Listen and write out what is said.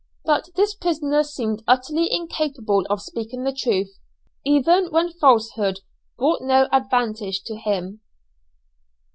But this prisoner seemed utterly incapable of speaking the truth, even when falsehood brought no advantage to him.